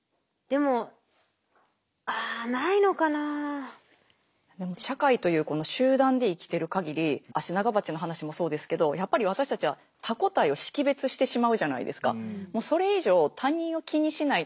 でも社会というこの集団で生きてるかぎりアシナガバチの話もそうですけどやっぱり私たちは他個体を識別してしまうじゃないですか。